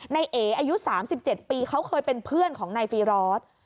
เอ๋อายุ๓๗ปีเขาเคยเป็นเพื่อนของนายฟีรอส